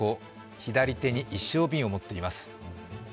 左手に一升瓶を持っています。